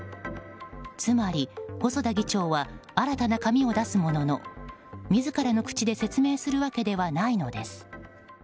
つまり、細田議長は新たな紙を出すものの自らの口で説明するわけではないのです。